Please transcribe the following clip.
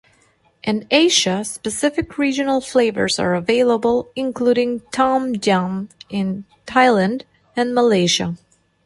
In Asia, specific regional flavors are available, including Tom Yam in Thailand and Malaysia.